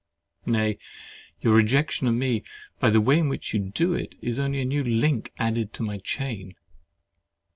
Nay, your rejection of me, by the way in which you do it, is only a new link added to my chain.